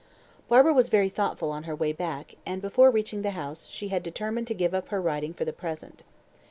Barbara was very thoughtful on her way back, and before reaching the house, she had determined to give up her riding for the present.